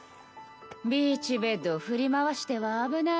ビーチベッドを振り回しては危ないぞ。